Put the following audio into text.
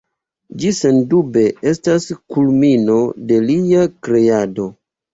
Ĝi sendube estas kulmino de lia kreado.